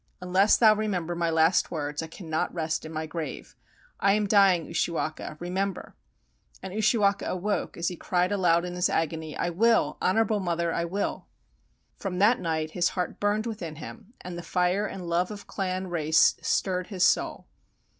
Unless thou remember my last words, I cannot rest in my grave. I am dying, Ushiwaka, re member!" And Ushiwaka awoke as he cried aloud in his agony: "I will! Honorable mother, I will!" From that night his heart burned within him and the fire and love of clan race stirred his soul.